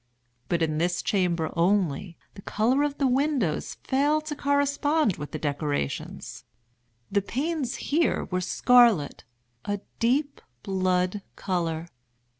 But in this chamber only, the color of the windows failed to correspond with the decorations. The panes here were scarlet—a deep blood color.